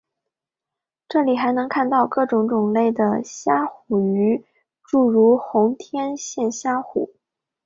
这里还能看到各种种类的虾虎鱼诸如红天线虾虎。